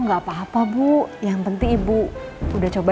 ini bubur kacang ijo yang paling enak yang pernah saya coba